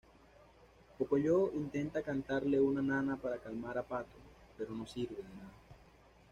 Pocoyó intenta cantarle una nana para calmar a Pato, pero no sirve de nada.